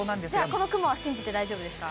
この雲は信じて大丈夫ですか。